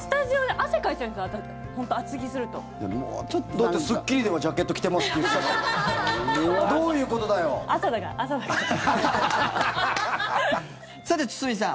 だって「スッキリ」ではジャケット着てますって言ってたじゃん。